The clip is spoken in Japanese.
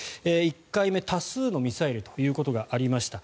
１回目、多数のミサイルということがありました。